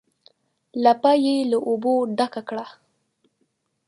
لپه یې له اوبو ډکه کړه.